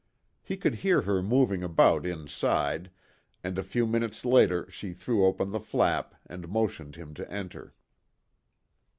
He could hear her moving about inside and a few minutes later she threw open the flap and motioned him to enter.